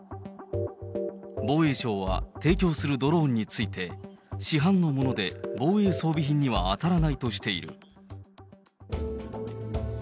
防衛省は、提供するドローンについて、市販のもので、防衛装備品には当たらないとしている。